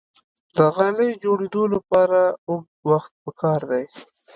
د غالۍ جوړیدو لپاره اوږد وخت پکار دی.